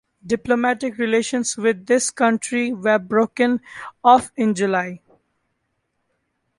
Diplomatic relations with this country were broken off in July.